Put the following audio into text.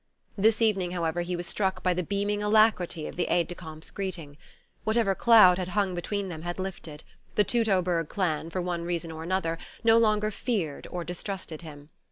This evening, however, he was struck by the beaming alacrity of the aide de camp's greeting. Whatever cloud had hung between them had lifted: the Teutoburg clan, for one reason or another, no longer feared or distrusted him.